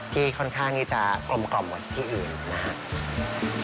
ที่ค่อนข้างจะกลมกล่อมกว่าที่อื่นนะครับ